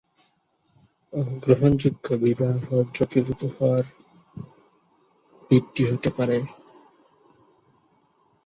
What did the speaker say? অ-গ্রহণযোগ্যতা বিবাহ দ্রবীভূত হওয়ার ভিত্তি হতে পারে।